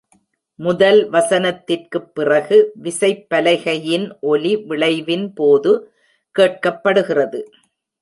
முதல் வசனத்திற்குப் பிறகு, விசைப்பலகையின் ஒலி விளைவின் போது கேட்கப்படுகிறது.